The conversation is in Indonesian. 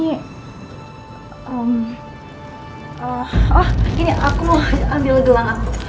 wah gini aku mau ambil gelang aku